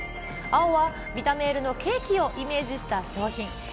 青はヴィタメールのケーキをイメージした商品。